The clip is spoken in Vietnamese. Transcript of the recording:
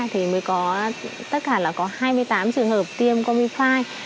thì mới có tất cả là có hai mươi tám trường hợp tiêm comifi